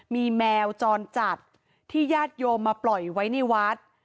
มีแมวจรจัดที่ญาติโยมมาปล่อยไว้ในวัด